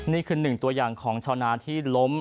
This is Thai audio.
นี่คือหนึ่งตัวอย่างของชาวนาที่ล้ม